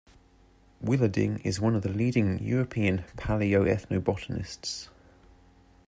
Willerding is one of the leading European palaeo-ethnobotanists.